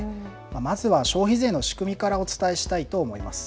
まずは消費税の仕組みからお伝えしたいと思います。